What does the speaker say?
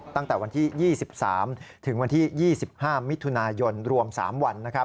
ตั้งแต่วันที่๒๓ถึงวันที่๒๕มิถุนายนรวม๓วัน